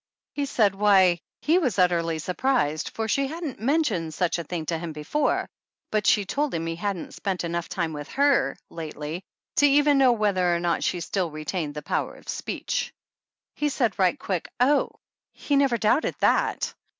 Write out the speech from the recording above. He said why, he was utterly surprised for she hadn't mentioned such a thing to him before, but she told him he hadn't spent enough time with her lately even to know whether or not she still retained the power of speech. He said right quick, oh, he never doubted that!